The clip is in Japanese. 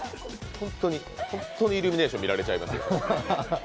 本当にイルミネーション見られちゃいますよ。